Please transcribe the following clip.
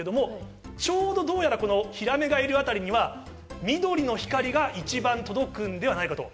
ちょうど、どうやらヒラメがいるあたりには緑の光が一番届くのではないかと。